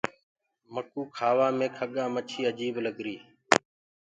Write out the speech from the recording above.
مڪوُ کآوآ مي کڳآ مڇي اجيب لگري۔